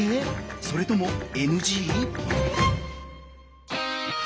それともＮＧ？